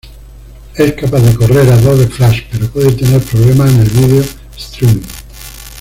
Es capaz de correr Adobe Flash, pero puede tener problemas en el vídeo Streaming.